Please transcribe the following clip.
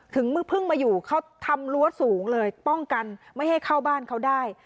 เพิ่งมาอยู่เขาทำรั้วสูงเลยป้องกันไม่ให้เข้าบ้านเขาได้